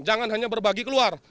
jangan hanya berbagi keluar